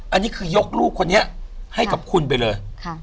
อันนี้คือยกลูกคนนี้ให้กับคุณไปเลย